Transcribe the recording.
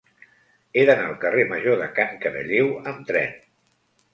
He d'anar al carrer Major de Can Caralleu amb tren.